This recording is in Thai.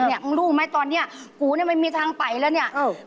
นี่มึงรู้ไหมตอนนี้กูไม่มีทางไปแล้ว